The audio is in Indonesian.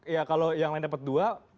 ya kalau yang lain dapat dua